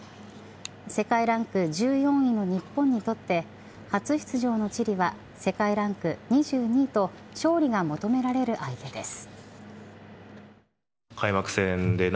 世界ランク１４位の日本にとって初出場のチリは世界ランク２２位と勝利が求められる相手です。